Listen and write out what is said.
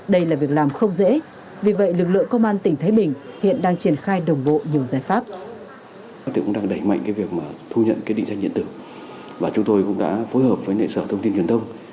đây là việc làm không dễ vì vậy lực lượng công an tỉnh thái bình